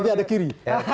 berarti ada kiri